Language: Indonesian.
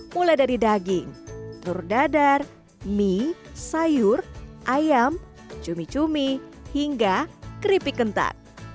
mulai dari daging telur dadar mie sayur ayam cumi cumi hingga keripik kentang